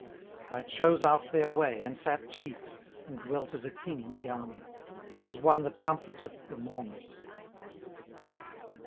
18:029:025 I chose out their way, and sat chief, and dwelt as a king in the army, as one that comforteth the mourners.